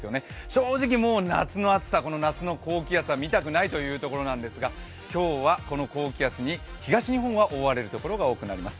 正直もう夏の暑さ、夏の高気圧は見たくないというところなんですが、今日はこの高気圧に東日本は覆われるところが多くなります。